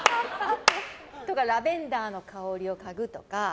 ラベンダーの香りをかぐとか。